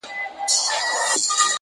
د لمر په وړانګو کي به نه وي د وګړو نصیب٫